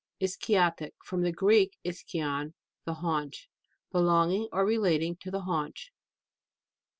ISCHIATIC. From the Greek, ischion, the haunch. Belonging or relating to the haunch.